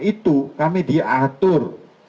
itu kami diatur